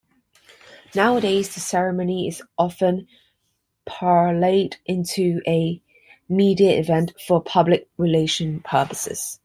Nowadays, the ceremony is often parlayed into a media event for public relations purposes.